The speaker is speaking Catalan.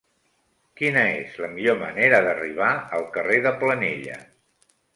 Quina és la millor manera d'arribar al carrer de Planella?